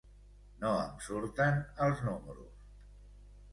No em surten els números.